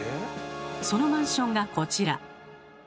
そのマンションがこちら。